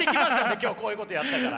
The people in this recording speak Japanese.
今日こういうことやったから。